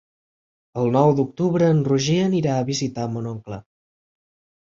El nou d'octubre en Roger anirà a visitar mon oncle.